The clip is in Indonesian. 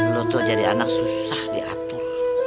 lu tuh jadi anak susah diatur